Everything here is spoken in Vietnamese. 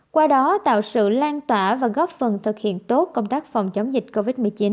qua đó tạo sự lan tỏa và góp phần thực hiện tốt công tác phòng chống dịch covid một mươi chín